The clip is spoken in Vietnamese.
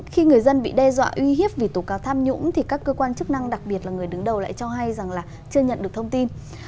khi người dân bị đe dọa uy hiếp vì tố cáo tham nhũng thì các cơ quan chức năng đặc biệt là người đứng đầu lại cho hay rằng là chưa nhận được thông tin